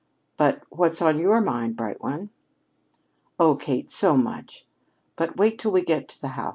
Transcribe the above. But what's on your mind, bright one?" "Oh, Kate, so much! But wait till we get to the house.